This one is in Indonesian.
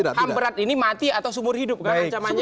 ham berat ini mati atau seumur hidup kan ancamannya